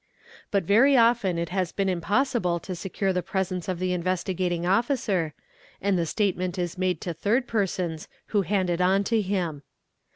But very often it has been impossible to secure the presence of thi Investigating Officer, and the statement is made to third persons wh hand it on to him.